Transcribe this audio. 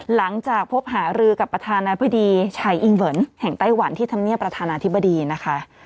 หลังจากพบหารือกับประธานาธิบดีชัยอิงเวิร์นแห่งไต้หวันที่ธรรมเนียบประธานาธิบดีนะคะ